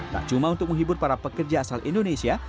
tak cuma untuk menghibur para pekerja asal indonesia